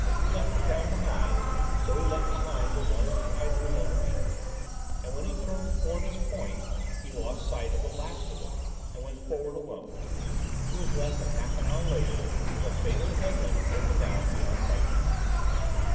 As he left the town behind, so he left behind the one or two idlers on the beach, and when he turned Foreness Point he lost sight of the last of them and went forward alone. It was less than half an hour later that the fatal headland opened out beyond Whiteness.